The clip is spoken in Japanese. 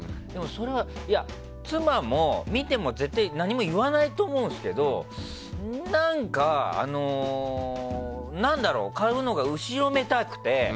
それは妻も見ても絶対何も言わないと思うんですけど何か買うのが後ろめたくて。